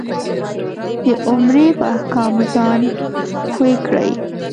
د عمرې په احکامو ځان پوی کړې.